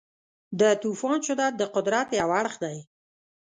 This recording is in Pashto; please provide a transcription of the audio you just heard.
د طوفان شدت د قدرت یو اړخ دی.